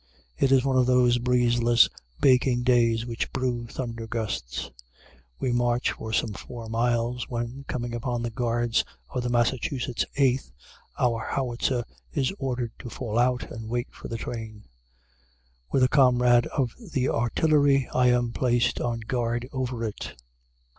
It is one of those breezeless baking days which brew thunder gusts. We march for some four miles, when, coming upon the guards of the Massachusetts Eighth, our howitzer is ordered to fall out and wait for the train. With a comrade of the Artillery, I am placed on guard over it.